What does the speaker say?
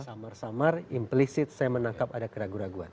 samar samar implisit saya menangkap ada keraguan keraguan